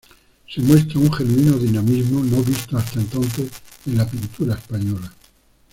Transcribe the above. Se muestra un genuino dinamismo no visto hasta entonces en la pintura española.